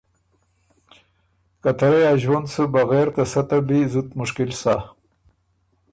که ته رئ ا ݫوُند سُو بغېر ته سۀ ته بی زُت مشکل سۀ۔